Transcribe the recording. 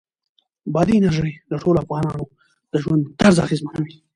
بادي انرژي د ټولو افغانانو د ژوند طرز اغېزمنوي.